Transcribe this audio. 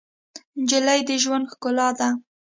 نجلۍ د ژوند ښکلا ده.